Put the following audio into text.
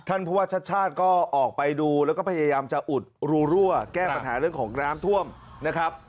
ผู้ว่าชาติชาติก็ออกไปดูแล้วก็พยายามจะอุดรูรั่วแก้ปัญหาเรื่องของน้ำท่วมนะครับ